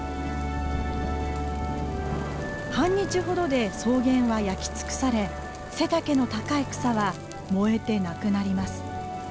半日ほどで草原は焼き尽くされ背丈の高い草は燃えてなくなります。